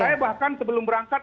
saya bahkan sebelum berangkat